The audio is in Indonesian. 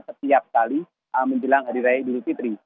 setiap kali menjelang hari raya idul fitri